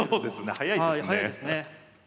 早いですね。